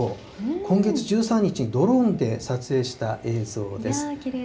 今月１３日にドローンで撮影した映像です。